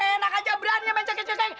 enak aja berani benceg ngeg